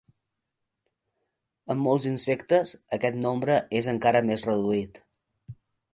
En molts insectes aquest nombre és encara més reduït.